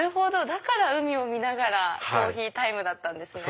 だから海を見ながらコーヒータイムだったんですね。